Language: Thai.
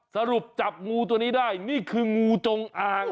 สรุปจับงูตัวนี้ได้นี่คืองูจงอ่าง